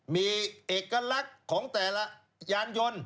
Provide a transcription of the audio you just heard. มีเอกลักษณ์ของแต่ละยานยนต์